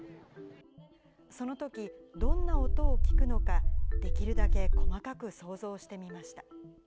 そのとき、どんな音を聞くのか、できるだけ細かく想像してみました。